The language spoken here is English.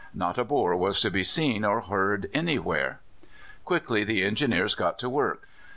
Not a Boer was to be seen or heard anywhere. Quickly the Engineers got to work.